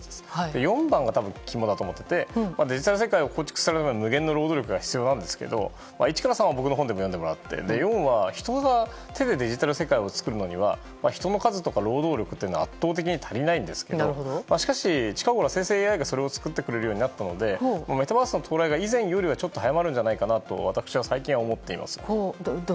４番目が実際に世界を構築するには無限の労働力が必要なんですけど１から３は僕の本でも読んでもらうとして、４は人が自分の手で作るには人の数とか労働力が圧倒的に足りないんですがしかし、近ごろ生成ＡＩがそれを作ってくれるようになったのでメタバースの到来が以前よりは早まるんじゃないかと私は最近は思っています。